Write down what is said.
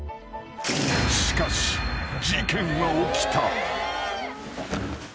［しかし事件は起きた］